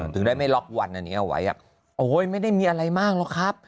ถึงได้ไม่ล็อกวันอันนี้เอาไว้โอ้ยไม่ได้มีอะไรมากหรอกครับ